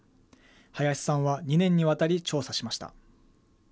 林さんは２年にわたり調査しました。